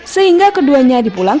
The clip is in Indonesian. sehingga kemudian dikirim ke puskesmas